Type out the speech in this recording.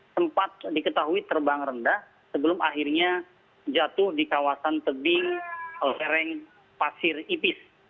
sempat diketahui terbang rendah sebelum akhirnya jatuh di kawasan tebing lereng pasir ipis